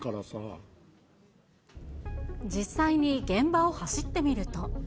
実際に現場を走ってみると。